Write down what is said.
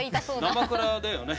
なまくらだよね？